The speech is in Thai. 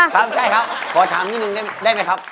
ครับใช่ครับขอถามนิดนึงได้ไหมครับ